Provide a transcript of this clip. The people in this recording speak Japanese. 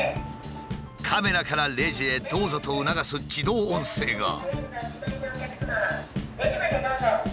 カメラから「レジへどうぞ」と促す自動音声が。